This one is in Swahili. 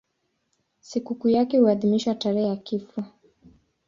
Sikukuu yake huadhimishwa tarehe ya kifo.